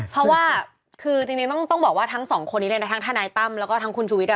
เพราะว่าคือจริงต้องบอกว่าทั้งสองคนนี้เลยนะทั้งทนายตั้มแล้วก็ทั้งคุณชูวิทย์